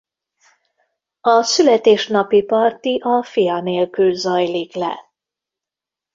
A születésnapi parti a fia nélkül zajlik le.